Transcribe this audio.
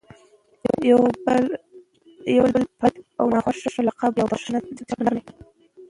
یو بل په بد او ناخوښه لقب یادول ښه کار نه دئ.